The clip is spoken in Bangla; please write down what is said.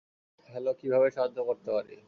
হ্যালো, কীভাবে সাহায্য করতে পারি?